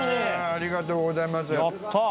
ありがとうございますやった！